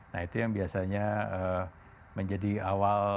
nah itu yang biasanya menjadi awal